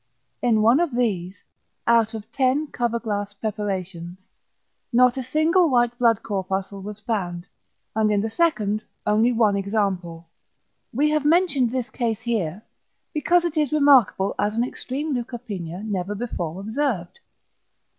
In one of these, out of =ten cover glass preparations, not a single white blood corpuscle was found=, and in the second only one example. We have mentioned this case here, because it is remarkable as an extreme leukopenia never before observed.